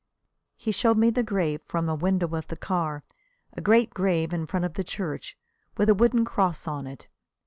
He showed me the grave from a window of the car, a great grave in front of the church, with a wooden cross on it.